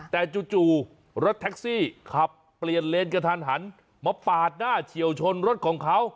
แต่จู่รถแท็กซี่ขับเปลี่ยนเลนกระทันหันมาปาดหน้าเฉียวชนรถของเขา